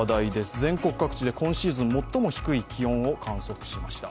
全国各地で今シーズン最も低い気温を観測しました。